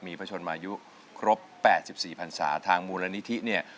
มีพระชนมายุครบแปดสิบสี่พรรษาทางมูลนิธิเนี่ย